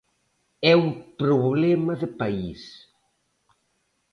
¡É un problema de país!